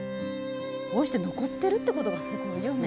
こうして残ってるってことがすごいよね。